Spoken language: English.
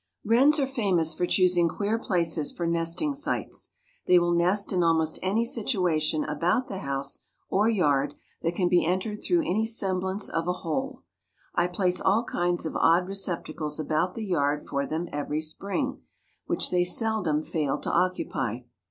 Wrens are famous for choosing queer places for nesting sites. They will nest in almost any situation about the house or yard that can be entered through any semblance of a hole. I place all kinds of odd receptacles about the yard for them every spring, which they seldom fail to occupy.